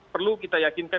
perlu kita yakinkan